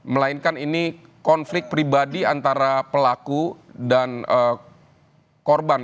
melainkan ini konflik pribadi antara pelaku dan korban